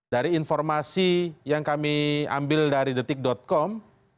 dari informasi yang kami ambil dari detik com